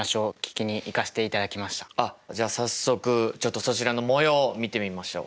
あっじゃあ早速ちょっとそちらのもようを見てみましょう。